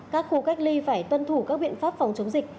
các khu cách ly phải tuân thủ các biện pháp phòng chống dịch